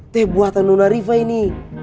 tepat buat nona riva ini